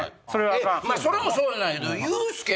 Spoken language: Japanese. それもそうなんやけど。